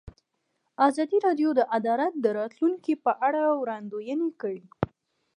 ازادي راډیو د عدالت د راتلونکې په اړه وړاندوینې کړې.